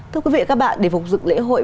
thưa quý vị và các bạn để phục dựng lễ hội